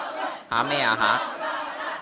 吓咩啊吓？